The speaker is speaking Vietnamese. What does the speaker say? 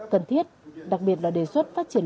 cần thiết đặc biệt là đề xuất phát triển